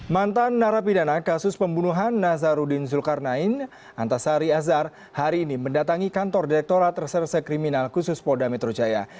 mantan narapidana kasus pembunuhan nazarudin zulkarnain antasari azhar hari ini mendatangi kantor direkturat reserse kriminal khusus polda metro jaya